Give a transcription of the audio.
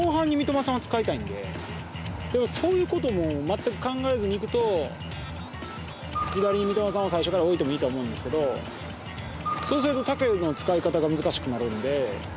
そういうことも全く考えずに行くと左に三笘さんを最初から置いてもいいと思うんですがそうすろ建英の使い方が難しくなるので。